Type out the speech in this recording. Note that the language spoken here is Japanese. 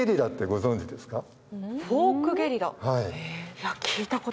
はい。